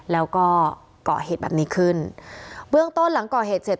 แล้วก็เกาะเหตุแบบนี้ขึ้นเบื้องต้นหลังก่อเหตุเสร็จ